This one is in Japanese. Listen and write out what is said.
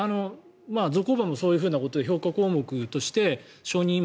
ゾコーバもそういうことで評価項目として承認